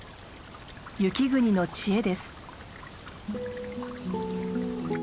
雪国の知恵です。